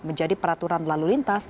menjadi peraturan lalu lintas